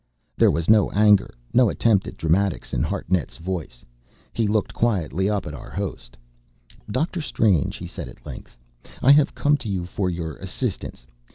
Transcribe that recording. There was no anger, no attempt at dramatics, in Hartnett's voice. He looked quietly up at our host. "Dr. Strange," he said at length, "I have come to you for your assistance.